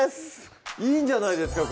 いいんじゃないですか